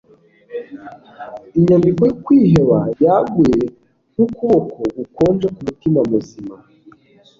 Inyandiko yo kwiheba yaguye nkukuboko gukonje kumutima muzima